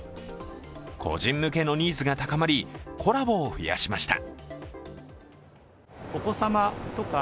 個人向けのニーズが高まりコラボを増やしました。